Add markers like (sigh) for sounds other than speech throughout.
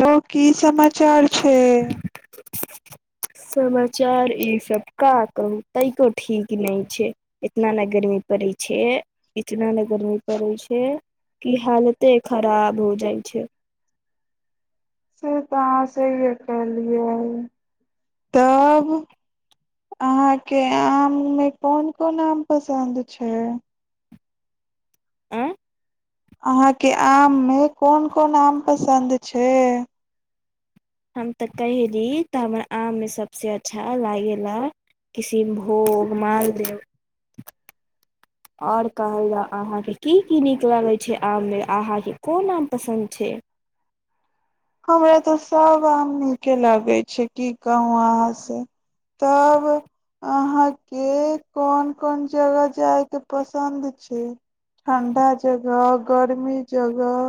लोक की समाचार छै समाचार ई सब का कहू तैको ठीक नहि छै इतना ने गर्मी पड़ै छै इतना ने गर्मी पड़े छै कि हालते खराब हो जाइ छै से तऽ से ब तब अहाँके आममे कोन कोन आम पसन्द छै आ अहाँके आम मे कोन कोन आम पसन्द छै हम तऽ कहयली तऽ हमर आममे सभसँ अच्छा लागयेलए किसिनभोग मालदेह आओर कहल जाउ अहाँके की की नीक लगैत छै आममे अहाँके कोन आम पसन्द छै हमरा तऽ सभ आममीके लगै छै की कहू अहाँ से तब अहाँके कोन कोन जगह जायके पसन्द छै ठं्डा जगह गर्मी जगह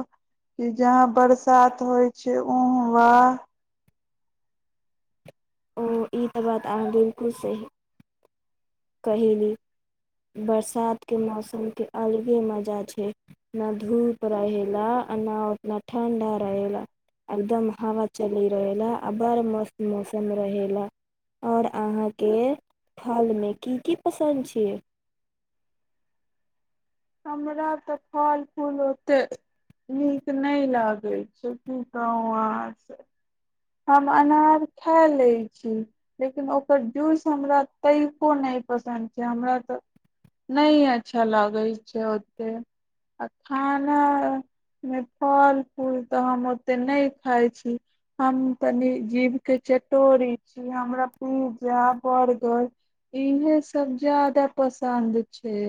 कि जहाँ बरसात होइ छै ओ वाह ओ ई तऽ बात अहाँ बिलकुल सही कहयली बरसातके मौसमके अलगे मजा छै ने धूप रहय ला आ नहि उतना ठण्ढा रहय ला एकदम हवा चली रहय ल आ बड़ मस्त मौसम रहय ल ओर अहाँके फल मे की पसन्द छियै हमरा तऽ फल फूल ओतेक नीक नहि लागैत छै त आ हम अनार खा लैत छी लेकिन ओकर जूस हमरा तयो नहि पसन्द छै हमरा तऽ नहि अच्छा लागै छै ओतेक आ खानामे फल फूल तऽ हम ओतेक नहि खाइत छी हम तनी जीभ के चटोरी छी हमरा पिज्जा बर्गर इहे सब जादा पसन्द छै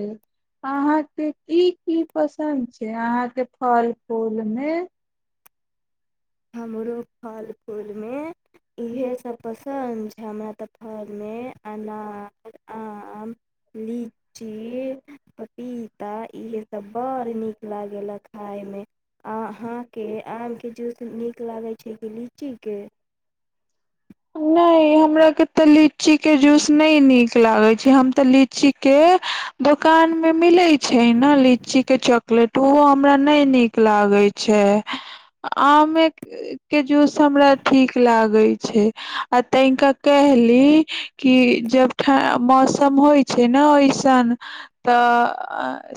अहाके ई की पसन्द छै अहाँ के फल फूल मे हमरो फल फूल मे इएहेसभ पसन्द छै हमरा तऽ फरमे अनार आम लीची पपीता इहसभ बड़ नीक लागैए खायमे अहाँके आमके जूस नीक लागै छै कि लीचीके नहि हमरा के ते लीची के जूस नहि नीक लागे छै हम तऽ लीची के दोकान मे मिलै छै ने लीची के चॉकलेट ओहो हमरा नहि नीक लागे छै आमे के जूस हमरा ठीक लागे छै आ तनिका कहली कि जब ठ मौसम होइ छै ने ओइसन तऽ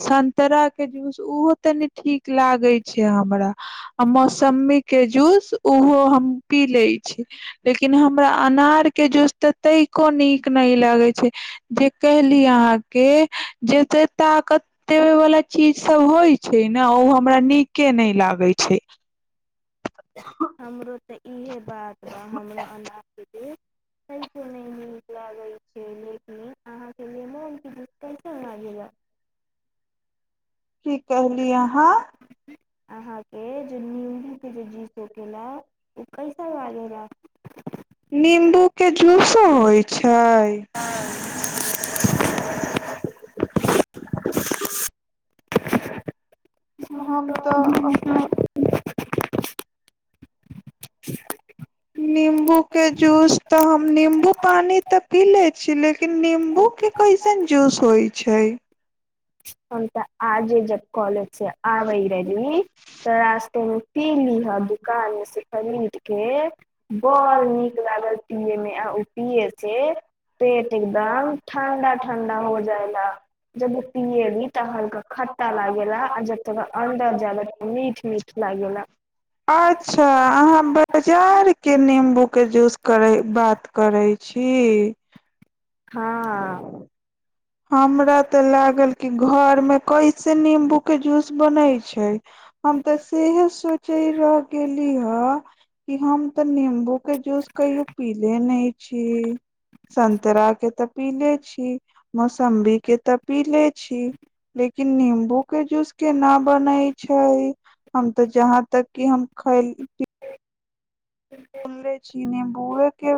संतराके जूस ओहो तनी ठीक लागै छै हमरा आ मौसम्मीके जूस ओहो हम पी लैत छी लेकिन हमरा अनारके जूस तऽ तहिो नीक नहि लागै छै जे कहली अहाँके जतेक ताकत देबयवला चीजसभ होइ छै ने ओ हमरा नीके नहि लागै छै (unintelligible) हमर तऽ इएहे बात बा हमर अनाजके (unintelligible) हूँ लागेला (unintelligible) की कहलिय हँ अहां के जेो नीमबू के जो जी ोक ल ओ कैसा बाज रह पू के जूसो होइ छै हम तऽ निम्बूके जूस तऽ हम निम्बू पानि तऽ पी लै छी लेकिन निम्बूके कैसन जूस होइ छै हम तऽ आजे जब कॉलेज से आबे रहली तऽ रास्ते मे पी लीह दुकान मे से खरीद के बड़ नीक लागल पिले मे आ ी छै पेट एकदम ठण्डा ठण्डा हो जाएगा जब पियली त हलका खट्टा लागेेला आ जब तोरा अन्दर ज ला त मीठ मीठ लागेला अच्छा अहाँ बाजार के नींबू के जूस करै बात करै छी हँ हमरा तऽ लागल कि घरमे कैसे नीम्बू क जूस बनै छै हम तऽ सेह सोचे र गेली हँ कि हम तऽ नं्बू के जूस कहियो पीले नहि छी संतरा के तऽ पीले छी से मौसमबी के तऽ पीले ी ल कि नीमबूके जो के न बनै छै हम तऽ जहाँ तक कि हम खैल बुलले छी निम्बुए के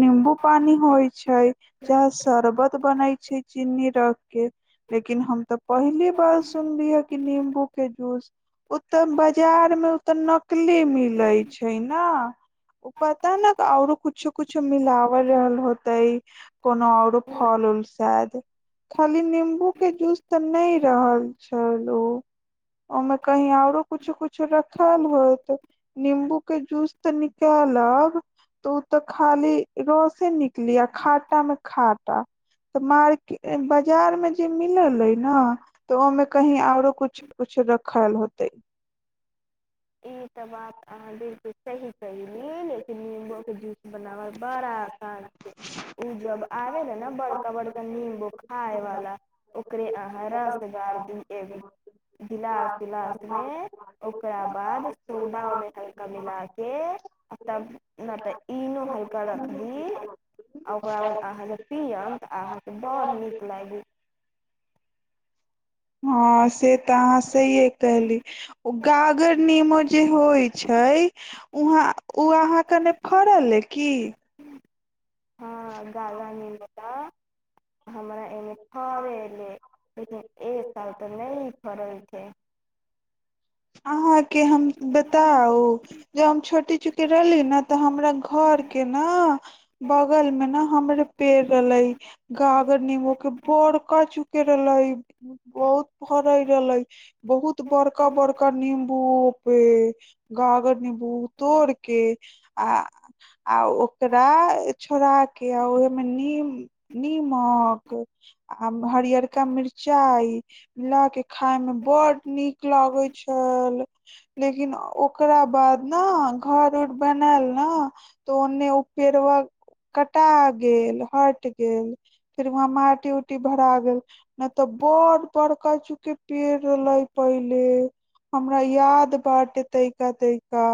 नं्बू पानी होइ छै चाहे शर्बत बन छै चीनी र के लेकिन हम तऽ पहिली बार सुनली ह कि नम्बू के जूस उ तऽ बाजार मे उतऽ न ले मिलै छै ने ओ पता ने औरो कुछो कुछो मिलावल रहल होते कोनो औरो फल उल साद खाली निम्बू के जूस तऽ नहि रहल छल ओ ओमे कही औरो कुछो कुछो रखल होत नम्बू के जूस तऽ केलक तऽ ओ तऽ खाली रसे निकली आ खाटा मे खाटा तऽ मार्केट बाजार में जे मिलल ने तऽ ओमे कही आरो कुछ कछ रखल होते ई त बात अहाँ बिलकु सही कलिय लेकिन निम्बो के जू बनाबै बड़ा आसान छै ओ जब आबै रह ने बड़का बड़का नम्बो खाायवालला ओकरे अहार से गार दिय गिलास उिलास मे ओकरा बाद ओकरााद ल हँ से तऽ अहाँ सहिए कहली ओ गागर नेमो जे होइ छै उहाँ ओ अहाँके ने फड़ल अ क हँ गाढ़ा नींबू बा हमरा एमे फड़ेले लेकिन ए साल ह नहि फरल छै अहाँके हम बताउ ज हम छोटी चूकेी रहली ने तऽ हमरा घर के ने बग बगल में ने हमरे पेड़ रहले गागर नीबो के बड़का चूके रहले बहुत पर ह रहल लै बहुत बड़का बड़का नींबू पोपे गाागर नीबू तोड़के आ आ ओकरा छुड़ा के आ ओ मनी न म आ हरिियर का मिर्चाइ मिला के खााय में बड नीक लाग छै लेकिन ओकरा बाद ने घर उर बनायल ने तऽ ओन्ने ओ पेड़ा कटा गेल हट गेल फेर वहं माटी उटी भरा गेल ने तऽ बड़ बड़का चूके पेड़ रहले पहिले हमरा याद बाट तैका तैका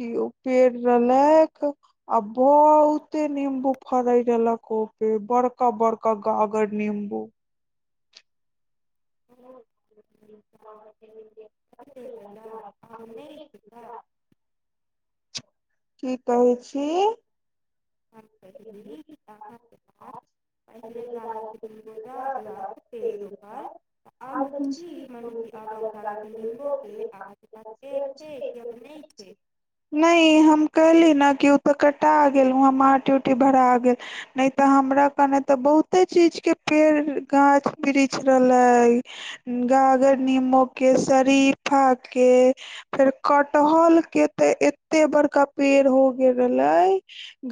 क ओ पेड़ रहलै आ बत कूते नीमबू फड़इ रहलला कपे बड़का बड़का गागर नीमबू ह (unintelligible) की कहै छी पहिले दादा के नींबू रहलक पेड़ पर अब छी मने कि आब दादा के नींबो के अहाँ के पास पेड़ छै कि अब नहि छै हम कही बकट्टा आ गेलह मारट भरा गेल ने तऽ हमरा कने ते बहुते चीज के पेड़ गाछ वृक्ष रहले गागर नबो के सरीफा के फेर कटहल के ते एते बड़का पेड़ हो गेल रहले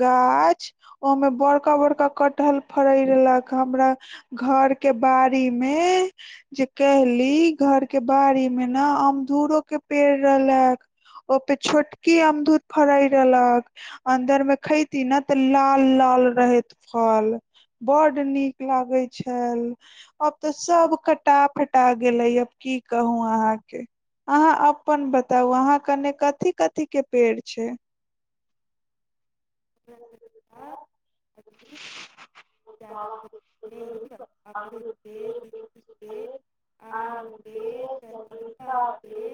गाछ ओमे बड़का बड़का कटहल फड़ई रहलक हमरा घर के बाड़ी मे जे कहली घर के बाड़ी में ने अमदुरो के पेड़ रहलक ओपे छोटकी अमदुर फड़ई रहलक अदर में खेती न तऽ लाल लाल रहैत फल बड नीक लागे छल अब तऽ सब कटा फटा गेले अब की कहू अहाँ के अहाँ अपन बताउ अहााँ कने कथी कथी के पेड़ छै ज जााद नहि ब अमत सरीफा के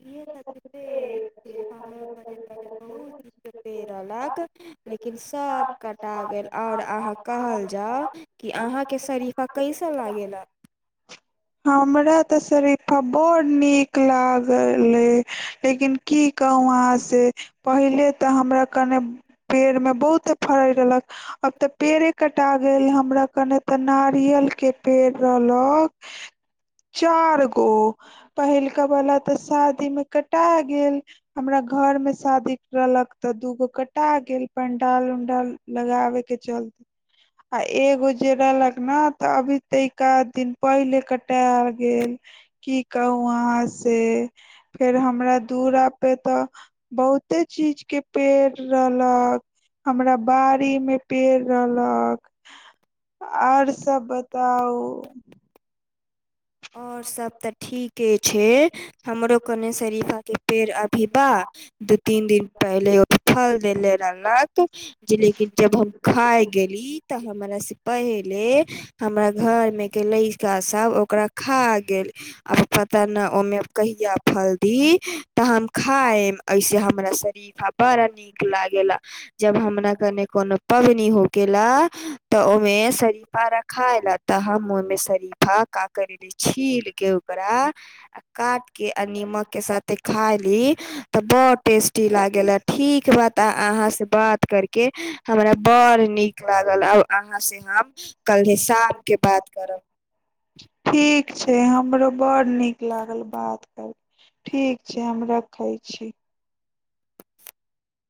इहे सबके पेड़ छै हमरो लाख ल लेकिन सभ कटा गेल आओर अहाँ कहल जाउ कि अहाँके शरीफा कैसा लागेलत हमरा तऽ शरीफा बड़ नीक लागल लेकिन की कहू अहाँ से पहिले तऽ हमरा कने पेड़मे बहुते फरे रहलक अब तऽ पेड़े कटा गेल हमरा कने ते नारियल के पेड़ रहलक चार गो पहिलक वला ते शादी मे कटा गेल हमरा घर मे शादी रहलक तऽ दू गो कटा गेल पंडाल ड लगाबे के चलते आ एगो जे रहलक ने तऽ अभी तऽ एकाध दिन पहिले कटाल गेल की कहू अहाँ से फेर हमरा दुूरा पे तऽ बहुते चीज के पेड़ रहलक हमरा बाड़ी मे पेड़ रहलक आर सब बताउ आओर सब तऽ ठीके छै हमरो कने शरीफा के पेड़ अभी बा दू तीन दिन पहिले ओ फल देले रहलक जे लेकिन जब हम खााय गेली तऽ हमरा से पहिले हमरा घर मे गेले के सब ओकरा खा गेल आ पता न ओमे कहिया फलदी ही तऽ हम खा ऐसे हमरा सरीफा बड़ा नीक लागेला जब हमरा कने कोनो पबनी हो गेलेला तऽ ओमे सरीफा रखाला ता हम ओमे फा क कर छील के ओकरा काट के आ नीमक के साथे खाय ली तऽ बड़ टेस्टी लागे हे ठीक बाद अहाँ से बात कर के हमरा बड़ नीक लागल आ अहाँ से हम कल्हे शाम के बात करब ठीक छै हमरो बड़ नीक नीक लागल बात करके ठीक छै हम रखै छी